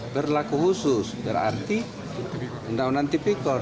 berlaku khusus berarti undang undang tipikor